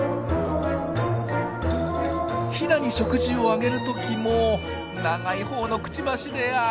ヒナに食事をあげる時も長いほうのクチバシであ！